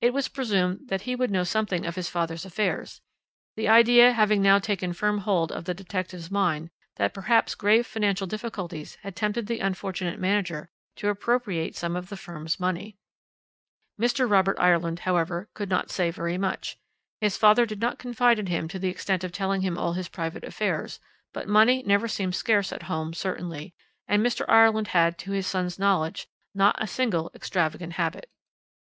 It was presumed that he would know something of his father's affairs; the idea having now taken firm hold of the detective's mind that perhaps grave financial difficulties had tempted the unfortunate manager to appropriate some of the firm's money. "Mr. Robert Ireland, however, could not say very much. His father did not confide in him to the extent of telling him all his private affairs, but money never seemed scarce at home certainly, and Mr. Ireland had, to his son's knowledge, not a single extravagant habit.